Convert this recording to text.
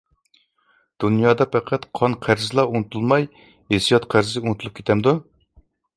دۇنيادا پەقەت قان-قەرزلا ئۇنتۇلماي، ھېسسىيات قەرزى ئۇنتۇلۇپ كېتەمدۇ؟